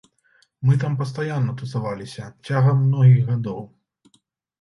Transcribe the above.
Мы там пастаянна тусаваліся, цягам многіх гадоў.